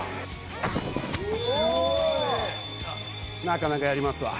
なかなかやりますわ。